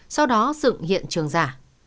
sau đó dựng hiện trường giả